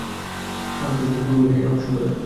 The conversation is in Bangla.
হারূন তাদেরকে পূর্বেই বলেছিল, হে আমার সম্প্রদায়!